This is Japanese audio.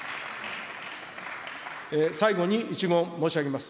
最後に一言申し上げます。